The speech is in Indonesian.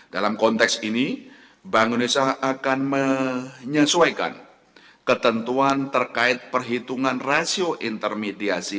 dalam konteks ini bank indonesia akan menyesuaikan ketentuan terkait perhitungan rasio intermediasi